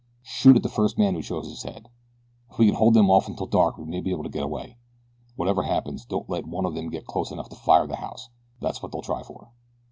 Shoot at the first man who shows his head. If we can hold them off until dark we may be able to get away. Whatever happens don't let one of them get close enough to fire the house. That's what they'll try for."